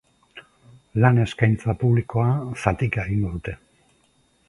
Lan-eskaintza publikoa zatika egingo dute.